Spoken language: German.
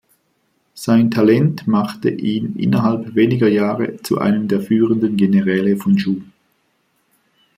Sein Talent machte ihn innerhalb weniger Jahre zu einem der führenden Generäle von Shu.